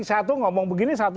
satu ngomong begini satu